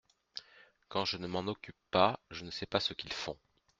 Quand je ne m’en occupe pas je ne sais pas ce qu’ils font.